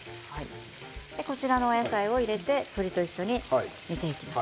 こちらのお野菜を入れて鶏と一緒に煮ていきます。